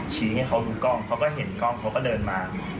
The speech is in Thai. ชี้ให้เขามีกล้องเขาก็เห็นกล้องเขาก็เดินมา